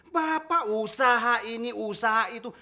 bapak usaha ini usaha itu